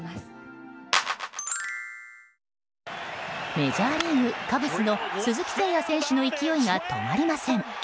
メジャーリーグ、カブスの鈴木誠也選手の勢いが止まりません。